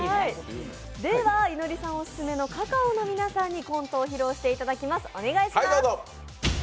では、いのりさんオススメのｃａｃａｏの皆さんにコントを披露していただきます。